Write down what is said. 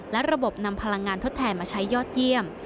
และระบบนำพลังงานทดแทนมาใช้ยอดเยี่ยม